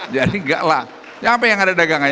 jadi enggak lah ya apa yang ada dagangan